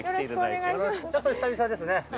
ちょっと久々ですね。